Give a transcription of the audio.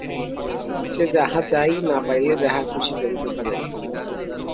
সে যাহা চায়, না পাইলে যাহা-খুশি করিতে পারে।